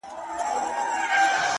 ستا د يادو لپاره!!